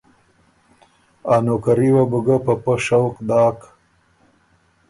ا نوکري وه بو ګه په پۀ شوق داک